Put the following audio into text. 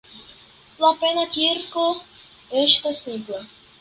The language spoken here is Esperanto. La plena kirko estas simpla.